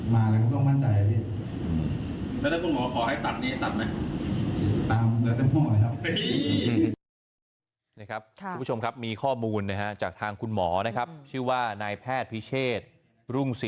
มาแล้วก็ต้องมั่นใจนะพี่